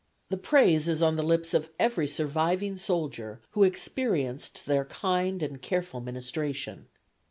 The praise is on the lips of every surviving soldier who experienced their kind and careful ministration.